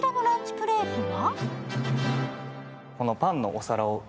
プレートは？